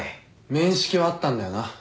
面識はあったんだよな？